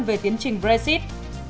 về tiến trình brexit